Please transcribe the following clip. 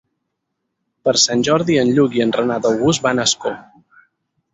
Per Sant Jordi en Lluc i en Renat August van a Ascó.